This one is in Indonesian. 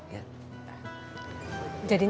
ya udah dah